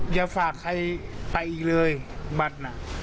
ก็คือว่าอย่าฝากใครไปอีกเลยบัตรเถอะ